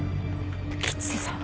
吉瀬さん。